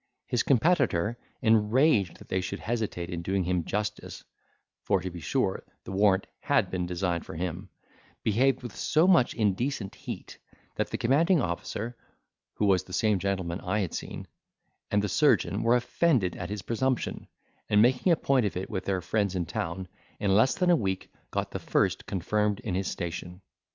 His competitor, enraged that they should hesitate in doing him justice (for to be sure the warrant had been designed for him), behaved with so much indecent heat, that the commanding officer (who was the same gentleman I had seen) and the surgeon were offended at his presumption, and making a point of it with their friends in town, in less than a week got the first confirmed in his station.